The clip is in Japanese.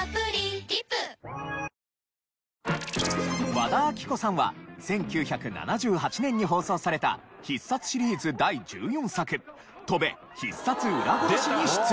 和田アキ子さんは１９７８年に放送された『必殺』シリーズ第１４作『翔べ！必殺うらごろし』に出演。